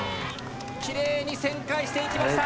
きれいに旋回していきました。